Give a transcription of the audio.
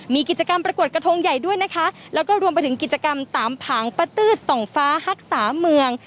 มีกิจกรรมประกวดกระทงใหญ่ด้วยนะคะแล้วก็รวมไปถึงกิจกรรมตามผางปะตื้อส่องฟ้าฮักษาเมือง